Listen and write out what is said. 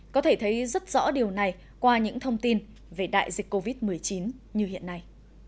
có thể thấy rất rõ điều này qua những thông tin về đại dịch covid một mươi chín như hiện nay